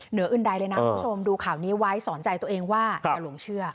เหนืออื่นใดเลยนะคุณผู้ชมดูข่าวนี้ไว้สอนใจตัวเองว่าอย่าหลงเชื่อ